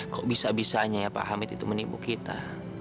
kok bisa bisanya ya pak hamid itu menipu kita